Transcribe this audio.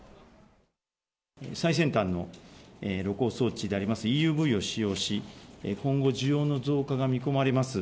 最先端の露光装置でありますＥＵＶを使用し、今後需要の増加が見込まれます